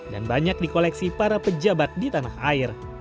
dan banyak di koleksi para pejabat di tanah air